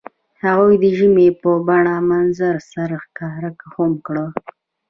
هغوی د ژمنې په بڼه منظر سره ښکاره هم کړه.